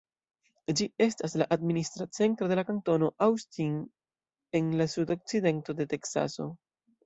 Ĝi estas la administra centro de la kantono Austin en la sudokcidento de Teksaso.